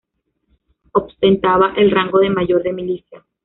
Ostentaba el rango de mayor de milicias.